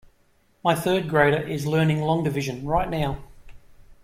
My third grader is learning long division right now.